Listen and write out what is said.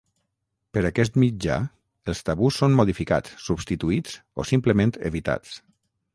Per aquest mitjà, els tabús són modificats, substituïts o simplement evitats.